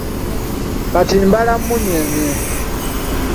Kati mbala mmunyeenye.